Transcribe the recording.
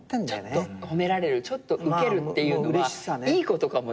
ちょっと褒められるちょっとウケるっていうのはいいことかもね。